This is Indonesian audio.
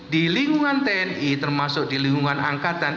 di lingkungan tni termasuk di lingkungan angkatan